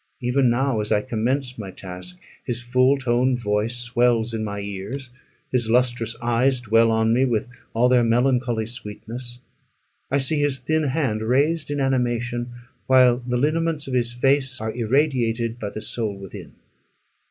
Even now, as I commence my task, his full toned voice swells in my ears; his lustrous eyes dwell on me with all their melancholy sweetness; I see his thin hand raised in animation, while the lineaments of his face are irradiated by the soul within.